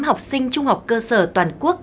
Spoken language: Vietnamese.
học sinh trung học cơ sở toàn quốc